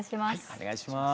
お願いします。